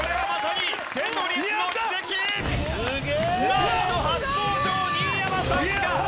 なんと初登場新山さんが。